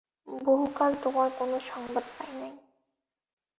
বহুকাল তোমার কোনো সংবাদ পাই নাই।